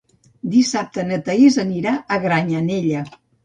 Dissabte na Thaís anirà a Granyanella.